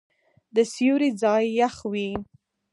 د سیوري ځای یخ وي.